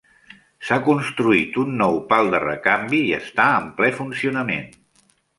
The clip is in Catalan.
S'ha construït un nou pal de recanvi i està en ple funcionament.